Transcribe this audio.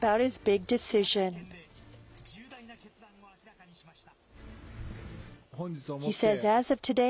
記者会見で、重大な決断を明らかにしました。